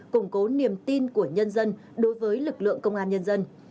củng cố niềm tin của nhân dân đối với lực lượng công an nhân dân